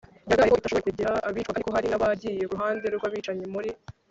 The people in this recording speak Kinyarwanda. yagaye ko itashoboye kurengera abicwaga kandi ko hari n abagiye k uruhande rw abicanyi muri